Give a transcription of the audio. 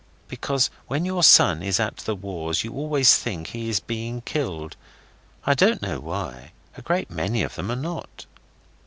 Because when your son is at the wars you always think he is being killed. I don't know why. A great many of them are not.